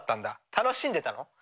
楽しんでたの？